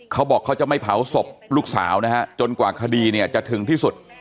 เขาบอกเขาจะไม่เผาศพลูกสาวนะฮะจนกว่าคดีเนี่ยจะถึงที่สุด